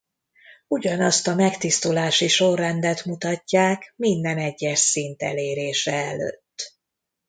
Ugyanazt a megtisztulási sorrendet mutatják minden egyes szint elérése előtt.